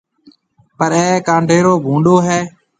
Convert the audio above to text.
پر اَي ڪانڊيرو ڀونڏو هيَ